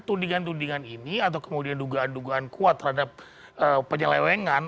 tudingan tudingan ini atau kemudian dugaan dugaan kuat terhadap penyelewengan